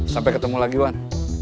sampai ketemu lagi wan